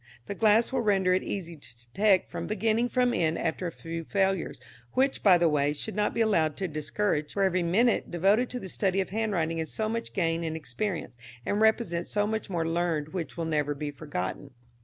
The glass will render it easy to detect beginning from end after a few failures, which, by the way, should not be allowed to discourage, for every minute devoted to the study of handwriting is so much gain in experience, and represents so much more learned, which will never be forgotten.